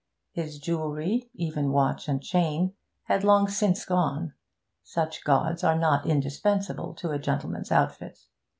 His jewellery, even watch and chain, had long since gone: such gauds are not indispensable to a gentleman's outfit.